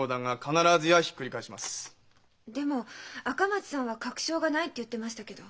でも赤松さんは「確証がない」って言ってましたけど。